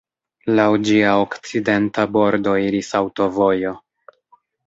Laŭ ĝia okcidenta bordo iris aŭtovojo.